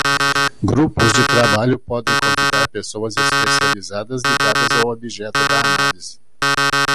Grupos de trabalho podem convidar pessoas especializadas ligadas ao objeto da análise.